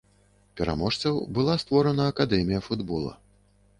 Пераможцаў, была створана акадэмія футбола.